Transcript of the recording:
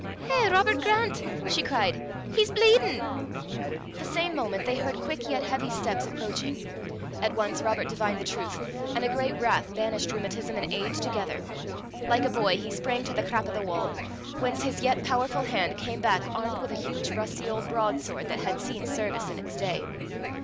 "Eh, Robert Grant!" she cried, "he's bleedin'." The same moment they heard quick yet heavy steps approaching. At once Robert divined the truth, and a great wrath banished rheumatism and age together. Like a boy he sprang to the crap o' the wa', whence his yet powerful hand came back armed with a huge rusty old broad sword that had seen service in its day.